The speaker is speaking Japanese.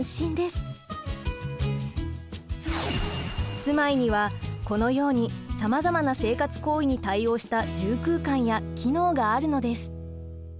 住まいにはこのようにさまざまな生活行為に対応した住空間や機能があるのです。